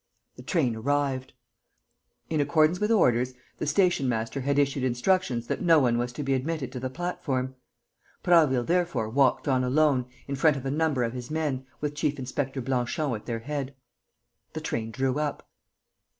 The train arrived. In accordance with orders, the stationmaster had issued instructions that no one was to be admitted to the platform. Prasville, therefore, walked on alone, in front of a number of his men, with Chief inspector Blanchon at their head. The train drew up.